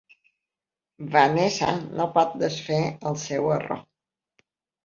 Vanessa no pot desfer el seu error.